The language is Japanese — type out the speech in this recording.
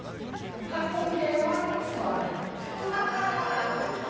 過去形は使わない。